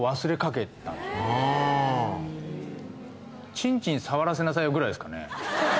「チンチン触らせなさいよ」ぐらいですかね。